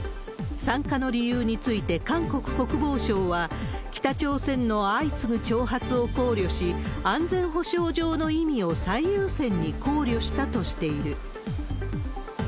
参加の理由について、韓国国防省は、北朝鮮の相次ぐ挑発を考慮し、安全保障上の意味を最優先に考慮したとしている。